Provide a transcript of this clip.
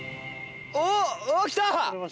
おお！来た！